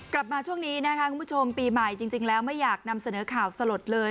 กลับมาช่วงนี้นะคะคุณผู้ชมปีใหม่จริงแล้วไม่อยากนำเสนอข่าวสลดเลย